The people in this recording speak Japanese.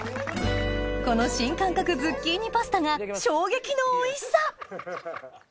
この新感覚ズッキーニパスタが衝撃のおいしさ！